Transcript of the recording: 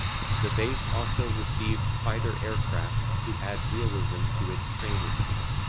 The base also received fighter aircraft to add realism to its training.